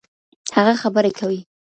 هغه خبرې کوي